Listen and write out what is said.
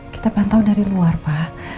kita pantau dari luar pak